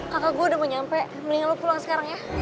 kakak gue udah mau nyampe mendingan lu pulang sekarang ya